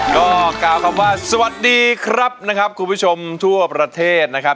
ก็กล่าวคำว่าสวัสดีครับนะครับคุณผู้ชมทั่วประเทศนะครับ